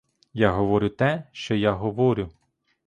Я говорю те, що я говорю.